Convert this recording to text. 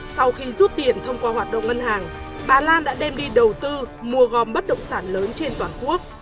sau khi rút tiền thông qua hoạt động ngân hàng bà lan đã đem đi đầu tư mua gom bất động sản lớn trên toàn quốc